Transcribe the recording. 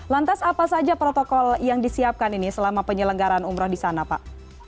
lantas apa saja protokol yang disiapkan ini selama penyelenggaran umroh di sana pak